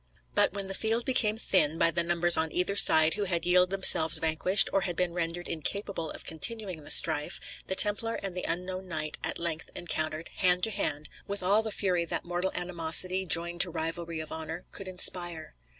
But when the field became thin, by the numbers on either side who had yielded themselves vanquished or had been rendered incapable of continuing the strife, the Templar and the unknown knight at length encountered, hand to hand, with all the fury that mortal animosity, joined to rivalry of honour, could inspire.